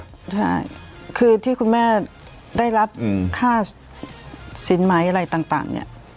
ใช่คือที่คุณแม่ได้รับค่าสินไหมอะไรต่างเนี่ย